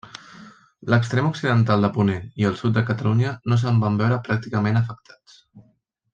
L'extrem occidental de ponent i el sud de Catalunya no se'n van veure pràcticament afectats.